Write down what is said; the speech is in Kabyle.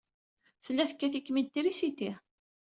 Tella tekkat-ikem-id trisiti.